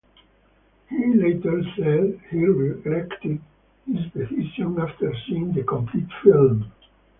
He later said he regretted his decision after seeing the completed film.